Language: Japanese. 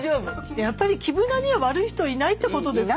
やっぱり木村には悪い人はいないってことですかね。